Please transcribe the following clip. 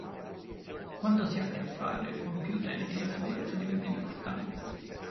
Quando si ha a che fare con più utenti, la sicurezza diventa importante.